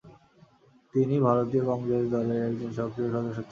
তিনি ভারতীয় কংগ্রেস দলের একজন সক্রিয় সদস্য ছিলেন।